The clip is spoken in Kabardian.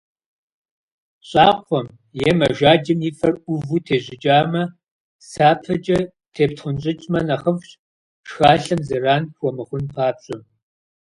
Щӏакхъуэм е мэжаджэм и фэр ӏуву тежьыкӏамэ, сапэкӏэ тептхъунщӏыкӏмэ нэхъыфӏщ, шхалъэм зэран хуэмыхъун папщӏэ.